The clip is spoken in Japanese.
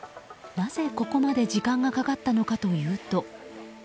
なぜ、ここまで時間がかかったのかというと。